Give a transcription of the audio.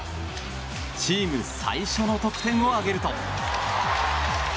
チーム最初の得点を挙げると。